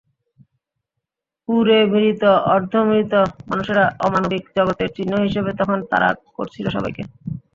পুড়ে মৃত-অর্ধমৃত মানুষেরা অমানবিক জগতের চিহ্ন হিসেবে তখন তাড়া করছিল সবাইকে।